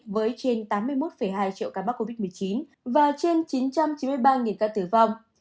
với trên tám mươi một hai triệu ca mắc covid một mươi chín và trên chín trăm chín mươi ba ca tử vong